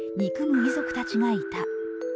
遺族たちがいた。